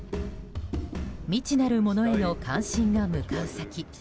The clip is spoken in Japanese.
未知なるものへの関心が向かう先。